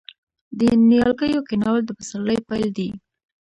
د نیالګیو کینول د پسرلي پیل دی.